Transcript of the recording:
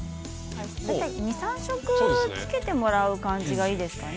２、３色つけてもらう感じがいいですね。